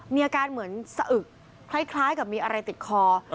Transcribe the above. มีอาการเหมือนสะอึกคล้ายกับมีอะไรติดคอ